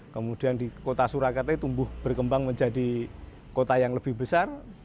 kemudian di kota surakarta tumbuh berkembang menjadi kota yang lebih besar